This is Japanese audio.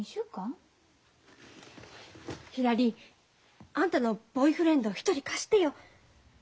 ひらりあんたのボーイフレンド１人貸してよ。